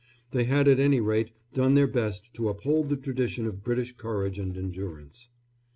They had at any rate done their best to uphold the tradition of British courage and endurance.